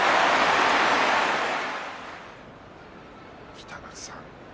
北の富士さん。